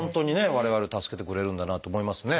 我々を助けてくれるんだなと思いますね。